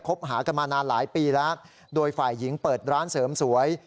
หากันมานานหลายปีแล้วโดยฝ่ายหญิงเปิดร้านเสริมสวย